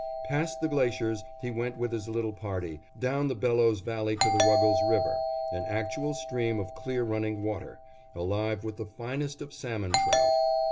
Past the glaciers he went with his little party, down the Bellows Valley to the Ruggles River, an actual stream of clear running water, alive with the finest of salmon trout.